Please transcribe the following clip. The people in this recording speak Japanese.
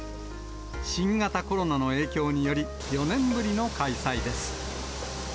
新型コロナの影響により、４年ぶりの開催です。